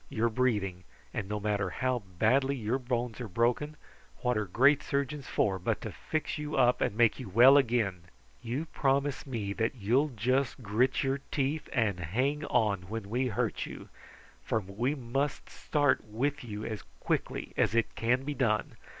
You are breathing; and no matter how badly your bones are broken, what are great surgeons for but to fix you up and make you well again? You promise me that you'll just grit your teeth and hang on when we hurt you, for we must start with you as quickly as it can be done.